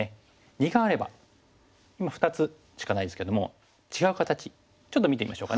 二眼あれば今２つしかないですけども違う形ちょっと見てみましょうかね。